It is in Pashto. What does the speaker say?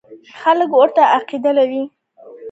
خلک ورته عقیده لري.